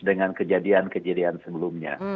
dengan kejadian kejadian sebelumnya